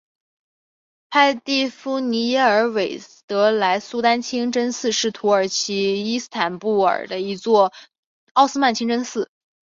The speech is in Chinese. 派蒂芙妮耶尔韦莱德苏丹清真寺是土耳其伊斯坦布尔的一座奥斯曼清真寺。